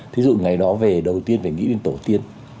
thí dụ ngày đó về đầu tiên phải nghĩ đến tổ tiên